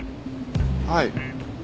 はい。